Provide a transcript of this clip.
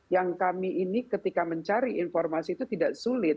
yang kami ini ketika mencari informasi itu tidak sulit